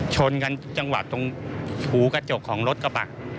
ชนกันจังหวะตรงหูกระจกของรถกระบะ